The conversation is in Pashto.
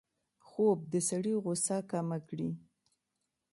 خوب د سړي غوسه کمه کړي